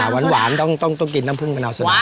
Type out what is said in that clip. อ่าหวานต้องกินน้ำผึ้งมะนาวสดาล